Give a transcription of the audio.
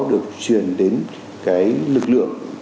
được truyền đến lực lượng